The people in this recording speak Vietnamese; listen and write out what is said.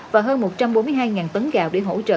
và hơn một trăm bốn mươi hai tấn gạo để hỗ trợ